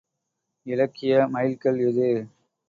இலக்கிய மைல் கல் எது?